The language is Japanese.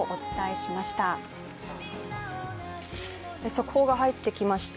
速報が入ってきました。